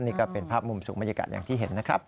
นี่ก็เป็นภาพมุมสูงบรรยากาศอย่างที่เห็นนะครับ